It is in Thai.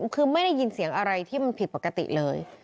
คือไม่ได้ยินเสียงอะไรที่มันผิดปกติเลย